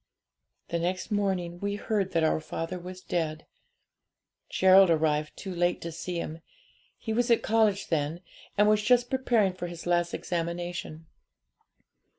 'The next morning we heard that our father was dead. Gerald arrived too late to see him; he was at college then, and was just preparing for his last examination.